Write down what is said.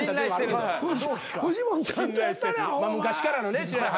まあ昔からのね。